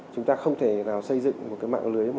chúng ta không thể nào xây dựng một cái mạng lưới